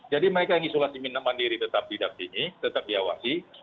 jadi mereka yang isolasi mandiri tetap didampingi tetap diawasi